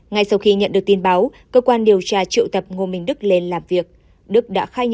ngay sau khi nhận được tin báo cơ quan điều tra triệu tập ngô minh đức lên làm việc